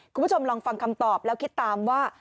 คุณผู้ชมลองฟังคำตอบแล้วคิดตามว่า